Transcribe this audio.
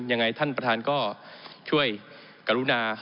ยังไงท่านประธานก็ช่วยกรุณา